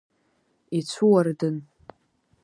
Ицәуардын…